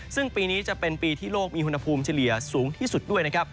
ซึ่งปีนี้จะเป็นปีที่โลกมีอุณหภูมิเฉลี่ยสูงที่สุดด้วยนะครับ